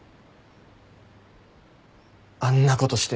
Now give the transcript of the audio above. あんなことして。